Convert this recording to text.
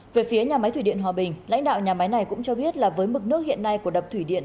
về phía nhà máy thủy điện hòa bình lãnh đạo nhà máy này cũng cho biết là với mực nước hiện nay của đập thủy điện